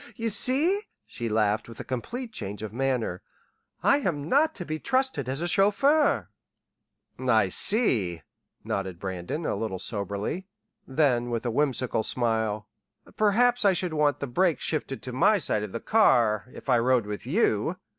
"You see," she laughed with a complete change of manner, "I am not to be trusted as a chauffeur." "I see," nodded Brandon, a little soberly; then, with a whimsical smile: "Perhaps I should want the brakes shifted to my side of the car if I rode with you!...